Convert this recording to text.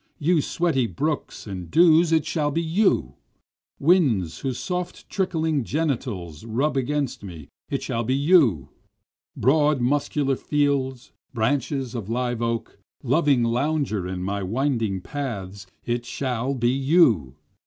You sweaty brooks and dews it shall be you! Winds whose soft tickling genitals rub against me it shall be you! Broad muscular fields, branches of live oak, loving lounger in my winding paths, it shall be you!